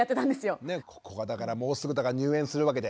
ここがだからもうすぐ入園するわけで。